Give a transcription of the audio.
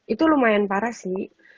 itu lumayan parah sih